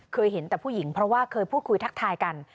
เคยเห็นแต่ผู้หญิงเพราะว่าเคยพูดคุยทักทายกัน